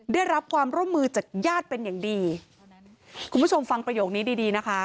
ได้รับความร่วมมือจากญาติเป็นอย่างดีคุณผู้ชมฟังประโยคนี้ดีดีนะคะ